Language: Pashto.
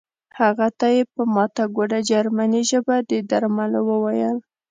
هغه ته یې په ماته ګوډه جرمني ژبه د درملو وویل